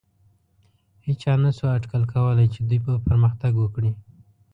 هېچا نهشو اټکل کولی، چې دوی به پرمختګ وکړي.